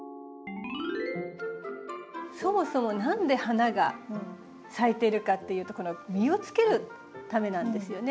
そもそも何で花が咲いてるかっていうとこの実をつけるためなんですよね。